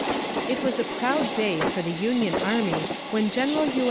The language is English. It was a proud day for the Union army when General U.